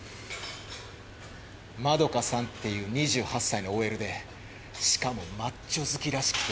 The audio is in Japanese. まどかさんっていう２８歳のＯＬでしかもマッチョ好きらしくて。